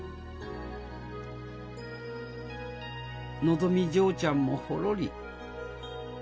のぞみ嬢ちゃんもホロリ。